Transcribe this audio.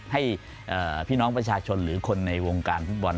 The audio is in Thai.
ให้พี่น้องประชาชนหรือคนในวงการฟุตบอล